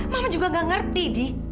mama juga gak ngerti di